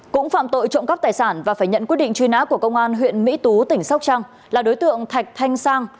cũng phạm tội trộm cắp tài sản và phải nhận quyết định truy nã của công an huyện mỹ tú tỉnh sóc trăng là đối tượng thạch thanh sang